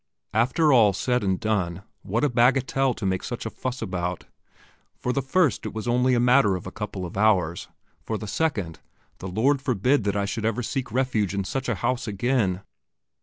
After all said and done, what a bagatelle to make such a fuss about. For the first it was only a matter of a couple of hours; for the second, the Lord forbid that I should ever seek refuge in such a house again.